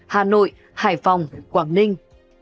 hà nội hải phòng quảng ninh